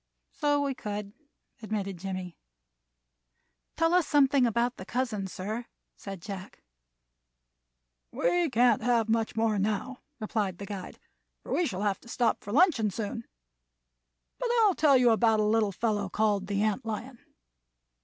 "So we could," admitted Jimmie. "Tell us something about the cousins, sir," said Jack. "We can't have much more now," replied the guide, "for we shall have to stop for luncheon soon. But I'll tell you about a little fellow called the ant lion.